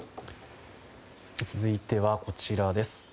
続いては、こちらです。